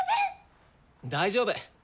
大丈夫。